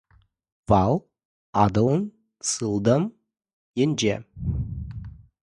Вӑл Атӑлӑн сылтӑм енче.